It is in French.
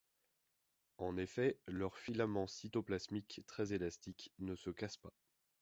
En effet, leur filament cytoplasmique, très élastique, ne se casse pas.